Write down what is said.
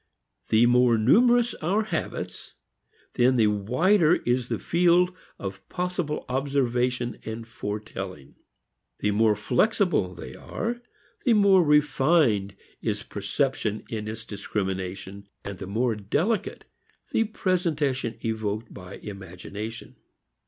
The more numerous our habits the wider the field of possible observation and foretelling. The more flexible they are, the more refined is perception in its discrimination and the more delicate the presentation evoked by imagination.